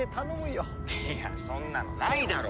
いやそんなのないだろ！